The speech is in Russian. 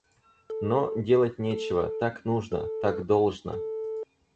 Но, делать нечего, так нужно, так должно.